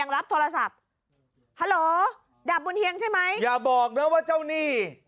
รับโทรศัพท์ฮัลโหลดับบุญเฮียงใช่ไหมอย่าบอกนะว่าเจ้าหนี้